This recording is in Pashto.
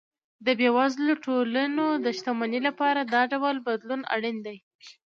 د بېوزلو ټولنو د شتمنۍ لپاره دا ډول بدلون اړین دی.